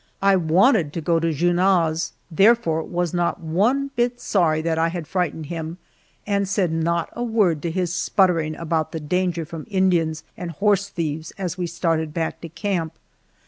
I wanted to go to Junot's, therefore was not one bit sorry that I had frightened him, and said not a word to his sputtering about the danger from Indians and horse thieves as we started back to camp.